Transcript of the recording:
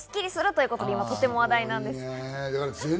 読めるとスッキリするということで、今、とても話題です。